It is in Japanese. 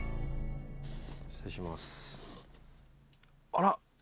あら。